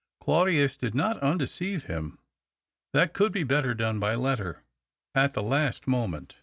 Claudius did not undeceive him. That could be better done by letter, at the last moment.